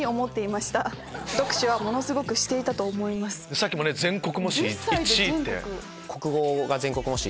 さっきも全国模試１位って。